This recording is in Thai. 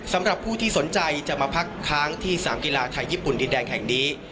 สำหรับผู้ที่สนใจจะมาพักค้างที่สนามกีฬาไทยญี่ปุ่นดินแดงแห่งนี้